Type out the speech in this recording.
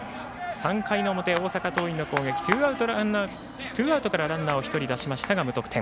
３回の表、大阪桐蔭の攻撃ツーアウトからランナーを１人出しましたが無得点。